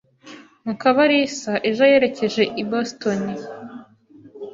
Mukabarisa ejo yerekeje i Boston.